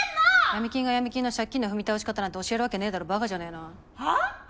闇金が闇金の借金の踏み倒し方なんて教えるわけねぇだろバカじゃねぇの。